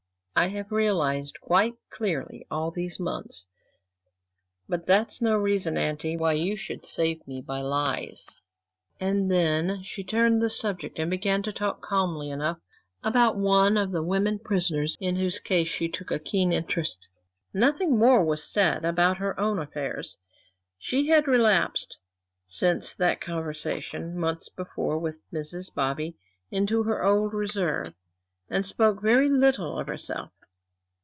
"I have realized quite clearly all these months. But that's no reason, auntie, why you should save me by lies." And then she turned the subject, and began to talk calmly enough, about one of the women prisoners, in whose case she took a keen interest. Nothing more was said about her own affairs. She had relapsed, since that conversation months before with Mrs. Bobby, into her old reserve, and spoke very little of herself.